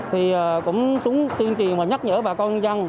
thì cũng xuống tuyên trì và nhắc nhở bà con dân